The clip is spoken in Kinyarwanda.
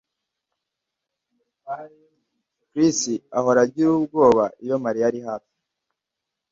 Chris ahora agira ubwoba iyo Mariya ari hafi